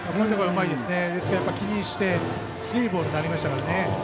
気にしてスリーボールになりましたからね。